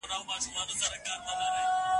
څیړنه د پوهي د پراختیا لپاره مهمه ده.